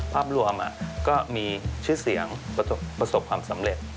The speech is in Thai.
ภาพรวมก็มีชื่อเสียงประสบความสำเร็จ